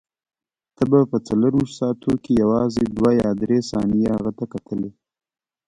ته به په څلورویشتو ساعتو کې یوازې دوه یا درې ثانیې هغه ته کتلې.